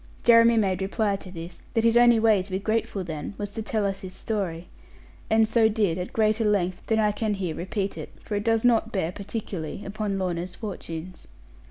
Jeremy made reply to this that his only way to be grateful then was to tell us his story: and so he did, at greater length than I can here repeat it; for it does not bear particularly upon Lorna's fortunes.